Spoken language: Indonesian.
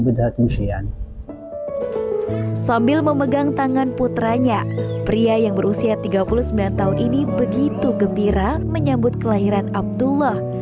sambil memegang tangan putranya pria yang berusia tiga puluh sembilan tahun ini begitu gembira menyambut kelahiran abdullah